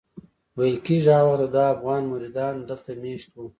ویل کېږي هغه وخت دده افغان مریدان دلته مېشت وو.